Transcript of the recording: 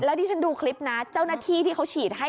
แล้วที่ฉันดูคลิปนะเจ้าหน้าที่ที่เขาฉีดให้